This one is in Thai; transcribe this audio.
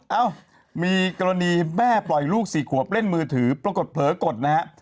เอ้ามีกรณีแม่ปล่อยลูก๔ขวบเล่นมือถือปรากฏเผลอกดนะฮะ